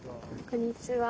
こんにちは。